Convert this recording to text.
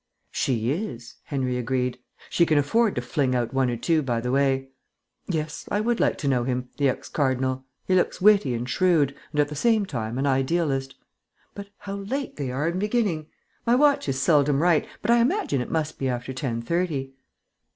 "She is," Henry agreed. "She can afford to fling out one or two by the way. Yes; I would like to know him, the ex cardinal; he looks witty and shrewd, and at the same time an idealist.... But how late they are in beginning. My watch is seldom right, but I imagine it must be after ten thirty."